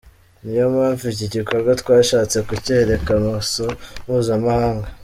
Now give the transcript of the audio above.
Niyo mpamvu iki gikorwa twashatse kucyereka amaso mpuzamahanga.